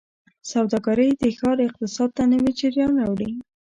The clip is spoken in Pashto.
سوداګرۍ د ښار اقتصاد ته نوي جریان راوړي.